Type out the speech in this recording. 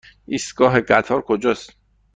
ایستگاه قطار کجاست؟